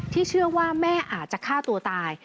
เชื่อว่าแม่อาจจะฆ่าตัวตาย